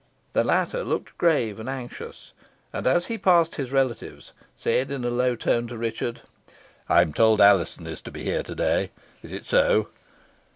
The latter looked grave and anxious, and, as he passed his relatives, said in a low tone to Richard "I am told Alizon is to be here to day. Is it so?"